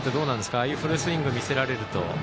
ああいうフルスイングを見せられると。